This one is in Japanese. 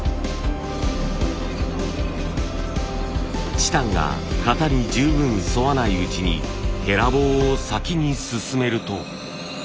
チタンが型に十分沿わないうちにヘラ棒を先に進めると。